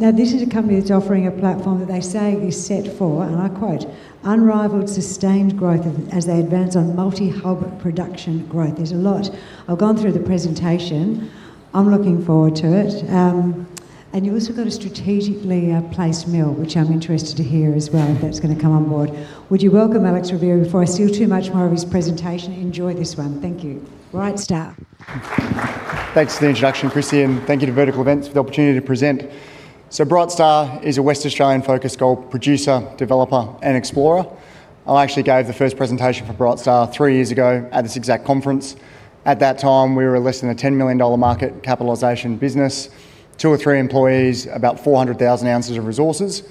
Now, this is a company that's offering a platform that they say is set for, and I quote, "Unrivaled sustained growth of, as they advance on multi-hub production growth." There's a lot. I've gone through the presentation. I'm looking forward to it. And you've also got a strategically placed mill, which I'm interested to hear as well, if that's gonna come on board. Would you welcome Alex Rovira before I steal too much more of his presentation? Enjoy this one. Thank you. Brightstar. Thanks for the introduction, Kristie, and thank you to Vertical Events for the opportunity to present. Brightstar is a West Australian-focused gold producer, developer, and explorer. I actually gave the first presentation for Brightstar three years ago at this exact conference. At that time, we were less than a 10 million dollar market capitalization business, two or three employees, about 400,000 ounces of resources.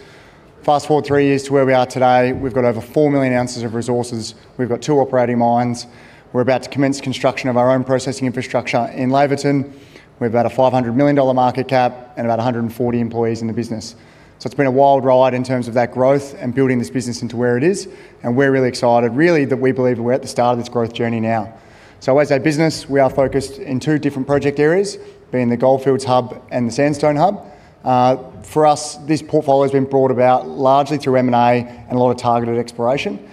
Fast-forward three years to where we are today, we've got over 4 million ounces of resources. We've got two operating mines. We're about to commence construction of our own processing infrastructure in Laverton. We've about a 500 million dollar market cap and about 140 employees in the business. So it's been a wild ride in terms of that growth and building this business into where it is, and we're really excited, really, that we believe we're at the start of this growth journey now. So as a business, we are focused in two different project areas, being the Goldfields Hub and the Sandstone Hub. For us, this portfolio's been brought about largely through M&A and a lot of targeted exploration.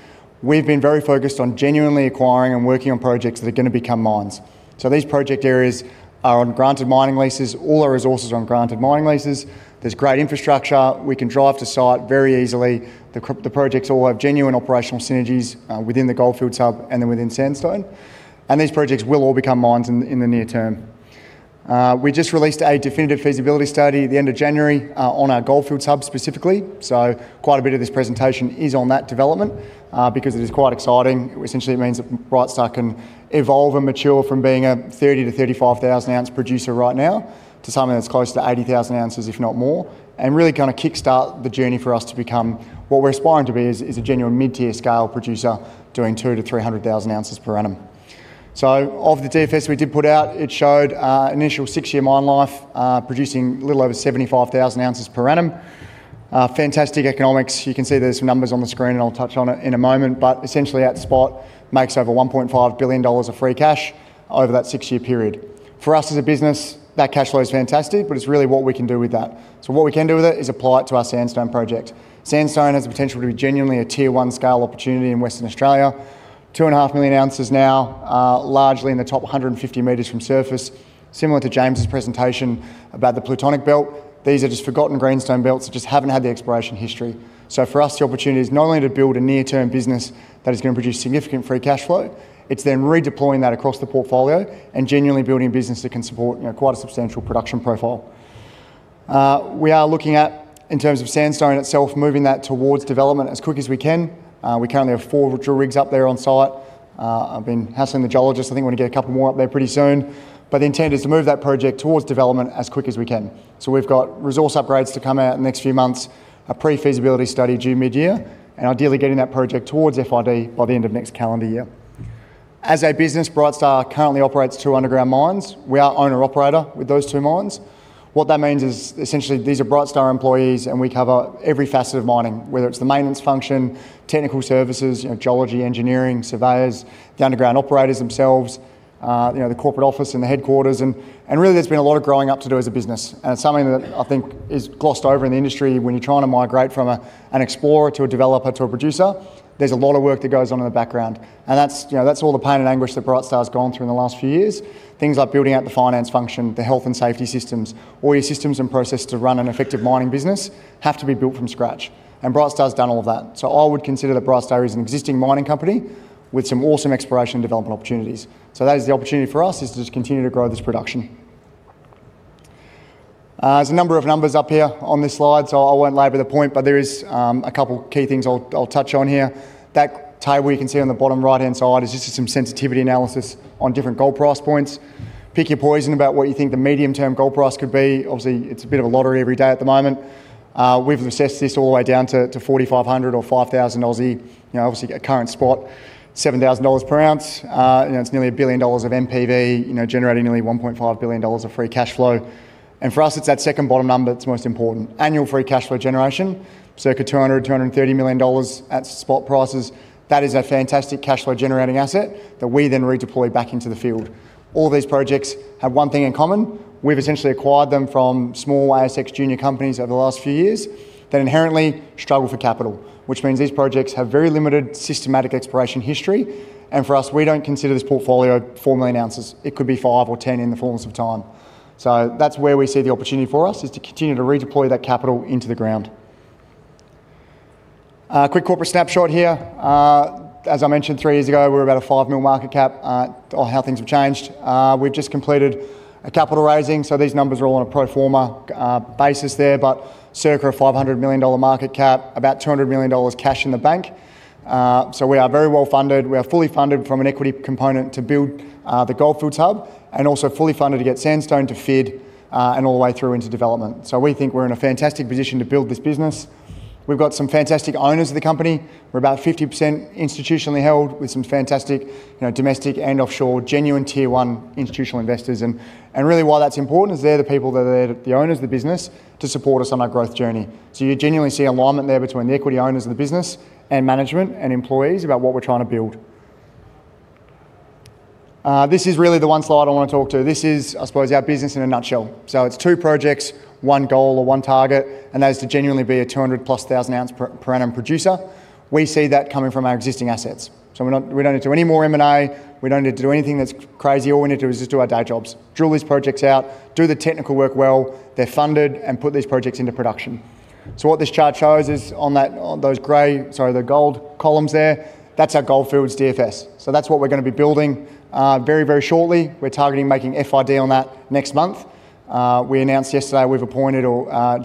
We've been very focused on genuinely acquiring and working on projects that are gonna become mines. So these project areas are on granted mining leases. All our resources are on granted mining leases. There's great infrastructure. We can drive to site very easily. The projects all have genuine operational synergies within the Goldfields Hub and then within Sandstone, and these projects will all become mines in the near term. We just released a definitive feasibility study at the end of January on our Goldfields Hub, specifically. So quite a bit of this presentation is on that development because it is quite exciting. Essentially, it means that Brightstar can evolve and mature from being a 30,000- to 35,000-ounce producer right now to something that's close to 80,000 ounces, if not more, and really kind of kickstart the journey for us to become. What we're aspiring to be is a genuine mid-tier scale producer, doing 200,000 to 300,000 ounces per annum. So of the DFS we did put out, it showed initial 6-year mine life producing a little over 75,000 ounces per annum. Fantastic economics. You can see there's some numbers on the screen, and I'll touch on it in a moment, but essentially, at spot, makes over 1.5 billion dollars of free cash over that six-year period. For us as a business, that cash flow is fantastic, but it's really what we can do with that. So what we can do with it is apply it to our Sandstone project. Sandstone has the potential to be genuinely a Tier 1 scale opportunity in Western Australia. 2.5 million ounces now, largely in the top 150 meters from surface. Similar to James' presentation about the Plutonic Belt, these are just forgotten greenstone belts that just haven't had the exploration history. So for us, the opportunity is not only to build a near-term business that is gonna produce significant free cash flow, it's then redeploying that across the portfolio and genuinely building a business that can support, you know, quite a substantial production profile. We are looking at, in terms of Sandstone itself, moving that towards development as quick as we can. We currently have four drill rigs up there on site. I've been hassling the geologists. I think we're gonna get a couple more up there pretty soon, but the intent is to move that project towards development as quick as we can. So we've got resource upgrades to come out in the next few months, a pre-feasibility study due mid-year, and ideally getting that project towards FID by the end of next calendar year. As a business, Brightstar currently operates two underground mines. We are owner-operator with those two mines. What that means is, essentially, these are Brightstar employees, and we cover every facet of mining, whether it's the maintenance function, technical services, you know, geology, engineering, surveyors, the underground operators themselves, you know, the corporate office and the headquarters and, and really, there's been a lot of growing up to do as a business, and it's something that I think is glossed over in the industry when you're trying to migrate from a, an explorer to a developer to a producer. There's a lot of work that goes on in the background, and that's, you know, that's all the pain and anguish that Brightstar's gone through in the last few years. Things like building out the finance function, the health and safety systems. All your systems and processes to run an effective mining business have to be built from scratch, and Brightstar's done all of that. So I would consider that Brightstar is an existing mining company with some awesome exploration and development opportunities. So that is the opportunity for us, is to just continue to grow this production. There's a number of numbers up here on this slide, so I won't labor the point, but there is a couple key things I'll touch on here. That table you can see on the bottom right-hand side is just some sensitivity analysis on different gold price points. Pick your poison about what you think the medium-term gold price could be. Obviously, it's a bit of a lottery every day at the moment. We've assessed this all the way down to 4,500 or 5,000. You know, obviously, at current spot, $7,000 per ounce. You know, it's nearly $1 billion of NPV, you know, generating nearly $1.5 billion of free cash flow, and for us, it's that second bottom number that's most important. Annual free cash flow generation, circa $200-$230 million at spot prices. That is a fantastic cash flow-generating asset that we then redeploy back into the field. All these projects have one thing in common: we've essentially acquired them from small ASX junior companies over the last few years that inherently struggle for capital, which means these projects have very limited systematic exploration history, and for us, we don't consider this portfolio 4 million ounces. It could be 5 or 10 in the fullness of time. So that's where we see the opportunity for us, is to continue to redeploy that capital into the ground. Quick corporate snapshot here. As I mentioned, three years ago, we were about a 5 million market cap. Oh, how things have changed. We've just completed a capital raising, so these numbers are all on a pro forma basis there, but circa a 500 million dollar market cap, about 200 million dollars cash in the bank. So we are very well funded. We are fully funded from an equity component to build the Goldfields Hub and also fully funded to get Sandstone to FID and all the way through into development. So we think we're in a fantastic position to build this business. We've got some fantastic owners of the company. We're about 50% institutionally held with some fantastic, you know, domestic and offshore, genuine Tier One institutional investors, and really why that's important is they're the people, they're the owners of the business, to support us on our growth journey. So you genuinely see alignment there between the equity owners of the business and management and employees about what we're trying to build. This is really the 1 slide I want to talk to. This is, I suppose, our business in a nutshell. So it's two projects, one goal or one target, and that is to genuinely be a 200+ thousand ounce per annum producer. We see that coming from our existing assets. So we don't need to do any more M&A, we don't need to do anything that's crazy. All we need to do is just do our day jobs, drill these projects out, do the technical work well, they're funded, and put these projects into production. So what this chart shows is on that, on those gray, sorry, the gold columns there, that's our Goldfields DFS. So that's what we're gonna be building, very, very shortly. We're targeting making FID on that next month. We announced yesterday we've appointed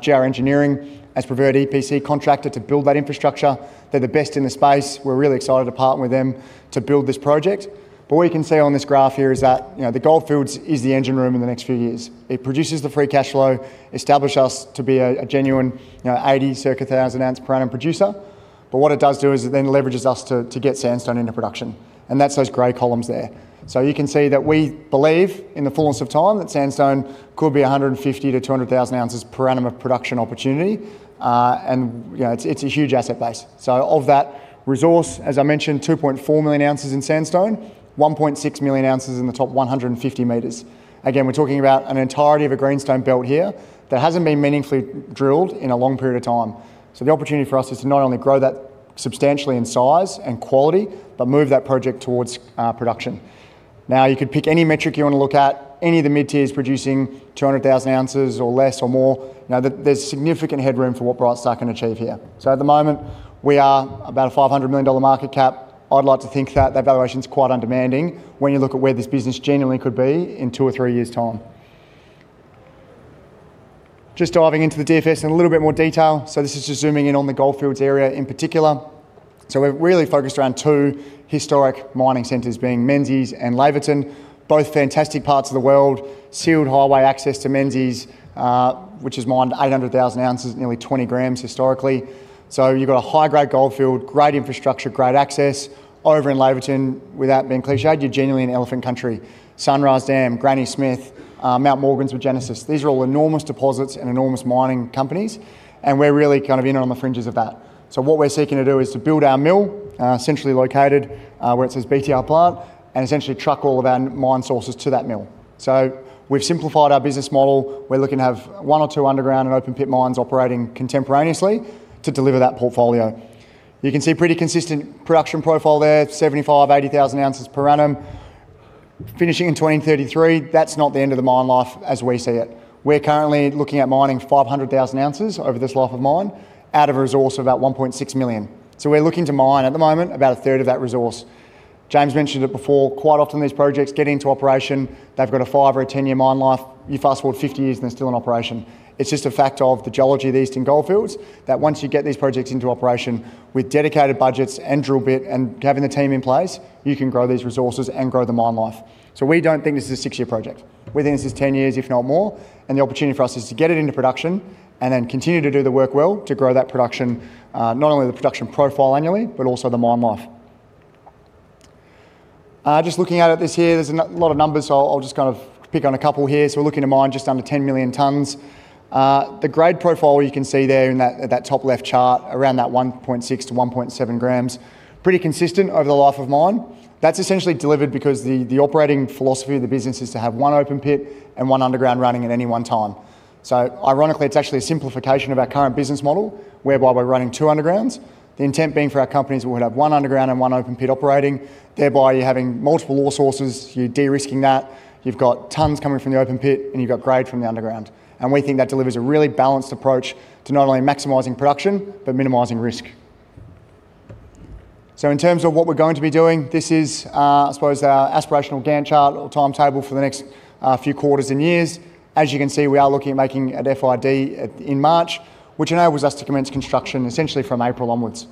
GR Engineering as preferred EPC contractor to build that infrastructure. They're the best in the space. We're really excited to partner with them to build this project. But what you can see on this graph here is that, you know, the Goldfields is the engine room in the next few years. It produces the free cash flow, establish us to be a, a genuine, you know, 80 circa thousand ounce per annum producer. But what it does do is it then leverages us to get Sandstone into production, and that's those gray columns there. So you can see that we believe, in the fullness of time, that Sandstone could be 150 to 200 thousand ounces per annum of production opportunity. And, you know, it's a huge asset base. So of that resource, as I mentioned, 2.4 million ounces in Sandstone, 1.6 million ounces in the top 150 meters. Again, we're talking about an entirety of a greenstone belt here that hasn't been meaningfully drilled in a long period of time. So the opportunity for us is to not only grow that substantially in size and quality, but move that project towards production. Now, you could pick any metric you want to look at, any of the mid-tiers producing 200,000 ounces or less or more, you know, there, there's significant headroom for what Brightstar can achieve here. So at the moment, we are about a 500 million dollar market cap. I'd like to think that that valuation is quite undemanding when you look at where this business genuinely could be in two or three years' time. Just diving into the DFS in a little bit more detail. So this is just zooming in on the goldfields area in particular. So we're really focused around two historic mining centers, being Menzies and Laverton, both fantastic parts of the world. Sealed highway access to Menzies, which has mined 800,000 ounces, nearly 20 grams historically. So you've got a high-grade goldfield, great infrastructure, great access. Over in Laverton, without being clichéd, you're genuinely in elephant country. Sunrise Dam, Granny Smith, Mount Morgans with Genesis. These are all enormous deposits and enormous mining companies, and we're really kind of in on the fringes of that. So what we're seeking to do is to build our mill, centrally located, where it says BTR Plant, and essentially truck all of our mine sources to that mill. So we've simplified our business model. We're looking to have one or two underground and open pit mines operating contemporaneously to deliver that portfolio. You can see pretty consistent production profile there, 75,000 to 80,000 ounces per annum, finishing in 2033. That's not the end of the mine life, as we see it. We're currently looking at mining 500,000 ounces over this life of mine, out of a resource of about 1.6 million. So we're looking to mine at the moment, about a third of that resource. James mentioned it before, quite often these projects get into operation, they've got a 5- or 10-year mine life. You fast-forward 50 years, and they're still in operation. It's just a fact of the geology of the Eastern Goldfields, that once you get these projects into operation with dedicated budgets and drill bit and having the team in place, you can grow these resources and grow the mine life. So we don't think this is a 6-year project. We think this is 10 years, if not more, and the opportunity for us is to get it into production and then continue to do the work well to grow that production, not only the production profile annually, but also the mine life. Just looking at it this here, there's a lot of numbers, so I'll just kind of pick on a couple here. So we're looking to mine just under 10 million tons. The grade profile, you can see there in that, that top left chart, around that 1.6 to 1.7 grams, pretty consistent over the life of mine. That's essentially delivered because the, the operating philosophy of the business is to have one open pit and one underground running at any one time. So ironically, it's actually a simplification of our current business model, whereby we're running two undergrounds. The intent being for our companies, we'd have one underground and one open pit operating, thereby you're having multiple ore sources, you're de-risking that, you've got tonnes coming from the open pit, and you've got grade from the underground. We think that delivers a really balanced approach to not only maximizing production, but minimizing risk. So in terms of what we're going to be doing, this is, I suppose our aspirational Gantt chart or timetable for the next few quarters and years. As you can see, we are looking at making an FID in March, which enables us to commence construction essentially from April onwards.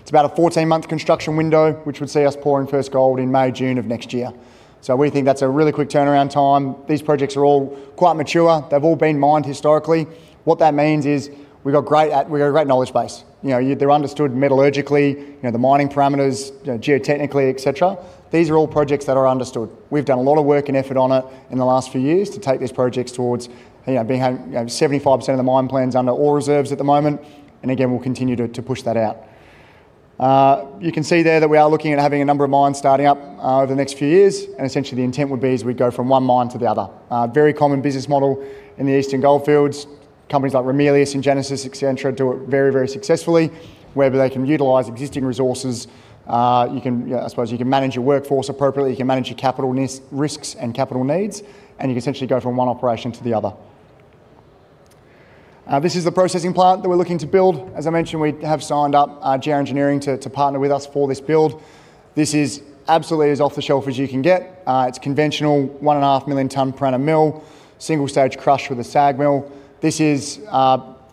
It's about a 14-month construction window, which would see us pouring first gold in May, June of next year. So we think that's a really quick turnaround time. These projects are all quite mature. They've all been mined historically. What that means is we've got a great knowledge base. You know, they're understood metallurgically, you know, the mining parameters, you know, geotechnically, et cetera. These are all projects that are understood. We've done a lot of work and effort on it in the last few years to take these projects towards, you know, being, you know, 75% of the mine plans under ore reserves at the moment, and again, we'll continue to push that out. You can see there that we are looking at having a number of mines starting up over the next few years, and essentially the intent would be is we go from one mine to the other. Very common business model in the Eastern Goldfields. Companies like Ramelius and Genesis, etc., do it very, very successfully, whereby they can utilize existing resources. You can, yeah, I suppose you can manage your workforce appropriately, you can manage your capital needs, risks and capital needs, and you can essentially go from one operation to the other. This is the processing plant that we're looking to build. As I mentioned, we have signed up GR Engineering to partner with us for this build. This is absolutely as off-the-shelf as you can get. It's conventional, 1.5 million ton per annum mill, single stage crush with a SAG mill. This is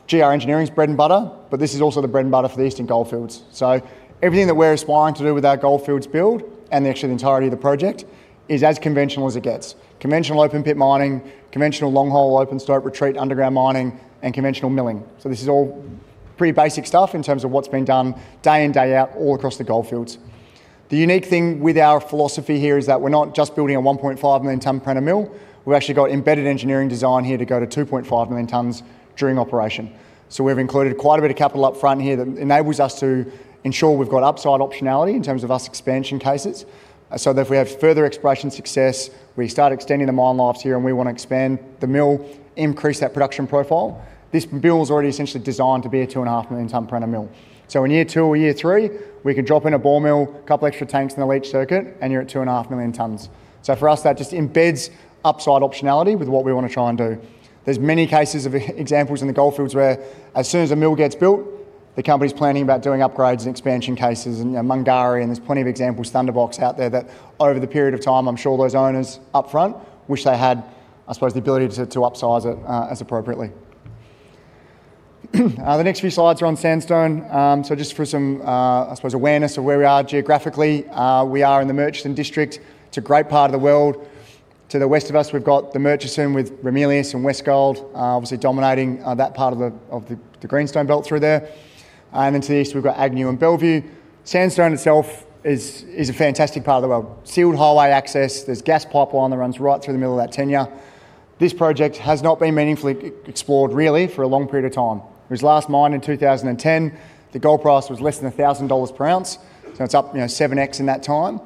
GR Engineering's bread and butter, but this is also the bread and butter for the Eastern Goldfields. So everything that we're aspiring to do with our goldfields build, and actually the entirety of the project, is as conventional as it gets. Conventional open pit mining, conventional long hole open stope retreat underground mining, and conventional milling. So this is all pretty basic stuff in terms of what's being done day in, day out, all across the goldfields. The unique thing with our philosophy here is that we're not just building a 1.5 million tons. per annum mill, we've actually got embedded engineering design here to go to 2.5 million tons. during operation. So we've included quite a bit of capital up front here that enables us to ensure we've got upside optionality in terms of our expansion cases, so that if we have further exploration success, we start extending the mine lives here, and we want to expand the mill, increase that production profile. This mill is already essentially designed to be a 2.5 million tons. per annum mill. So in year two or year three, we can drop in a ball mill, a couple extra tanks in the leach circuit, and you're at 2.5 million tons. So for us, that just embeds upside optionality with what we want to try and do. There's many cases of examples in the Goldfields where as soon as a mill gets built, the company's planning about doing upgrades and expansion cases, and, you know, Mungari, and there's plenty of examples, Thunderbox out there, that over the period of time, I'm sure those owners upfront wished they had, I suppose, the ability to upsize it as appropriately. The next few slides are on Sandstone. So just for some, I suppose awareness of where we are geographically, we are in the Murchison District. It's a great part of the world. To the west of us, we've got the Murchison, with Ramelius and Westgold obviously dominating that part of the Greenstone Belt through there. And then to the east, we've got Agnew and Bellevue. Sandstone itself is a fantastic part of the world. Sealed highway access, there's gas pipeline that runs right through the middle of that tenure. This project has not been meaningfully explored really for a long period of time. It was last mined in 2010. The gold price was less than $1,000 per ounce, so it's up, you know, 7x in that time.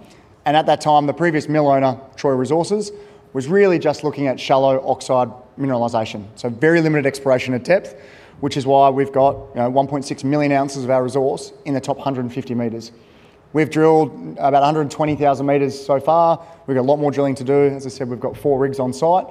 And at that time, the previous mill owner, Troy Resources, was really just looking at shallow oxide mineralization, so very limited exploration and depth, which is why we've got, you know, 1.6 million ounces of our resource in the top 150 meters. We've drilled about 120,000 meters so far. We've got a lot more drilling to do. As I said, we've got four rigs on site.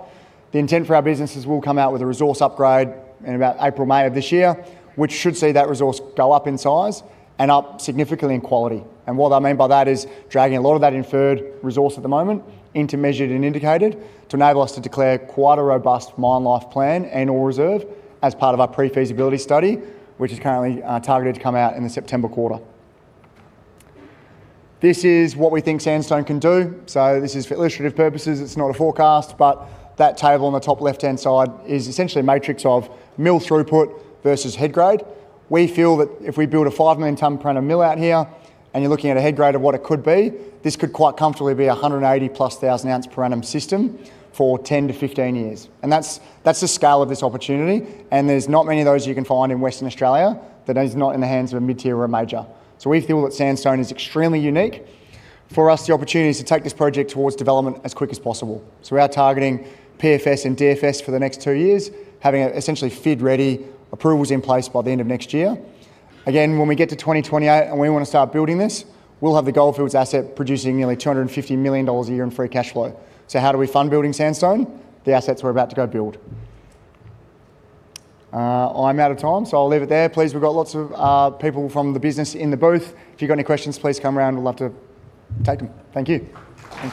The intent for our business is we'll come out with a resource upgrade in about April, May of this year, which should see that resource go up in size and up significantly in quality. And what I mean by that is dragging a lot of that inferred resource at the moment into measured and indicated to enable us to declare quite a robust mine life plan and/or reserve as part of our pre-feasibility study, which is currently targeted to come out in the September quarter. This is what we think Sandstone can do. So this is for illustrative purposes, it's not a forecast, but that table on the top left-hand side is essentially a matrix of mill throughput versus head grade. We feel that if we build a 5 million tons. per annum mill out here, and you're looking at a head grade of what it could be, this could quite comfortably be a 180,000+ ounce per annum system for 10 to 15 years. And that's, that's the scale of this opportunity, and there's not many of those you can find in Western Australia that is not in the hands of a mid-tier or a major. So we feel that Sandstone is extremely unique. For us, the opportunity is to take this project towards development as quick as possible. So we are targeting PFS and DFS for the next 2 years, having essentially FID-ready approvals in place by the end of next year. Again, when we get to 2028 and we want to start building this, we'll have the Goldfields asset producing nearly 250 million dollars a year in free cash flow. So how do we fund building Sandstone? The assets we're about to go build. I'm out of time, so I'll leave it there. Please, we've got lots of people from the business in the booth. If you've got any questions, please come around, we'd love to take them. Thank you. Thank you.